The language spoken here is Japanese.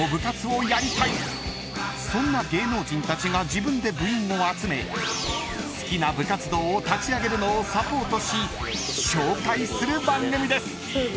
［そんな芸能人たちが自分で部員を集め好きな部活動を立ち上げるのをサポートし紹介する番組です］